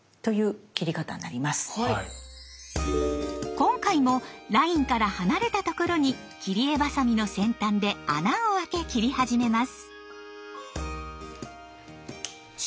今回もラインから離れたところに切り絵バサミの先端で穴をあけ切り始めます。